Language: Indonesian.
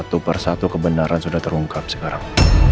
satu persatu kebenaran sudah terungkap sekarang